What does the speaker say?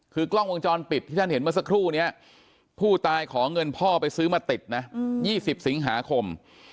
คือกล้องวงจรปิดที่ท่านเห็นเมื่อสักครู่นี้ผู้ตายขอเงินพ่อไปซื้อมาติดนะ๒๐สิงหาคม